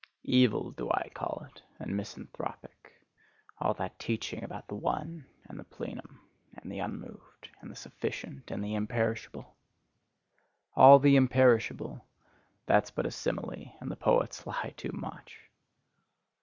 Evil do I call it and misanthropic: all that teaching about the one, and the plenum, and the unmoved, and the sufficient, and the imperishable! All the imperishable that's but a simile, and the poets lie too much.